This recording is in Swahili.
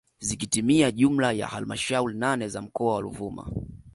Zikitimia jumla ya halmashauri nane za mkoa wa Ruvuma